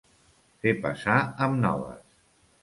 Fer passar amb noves.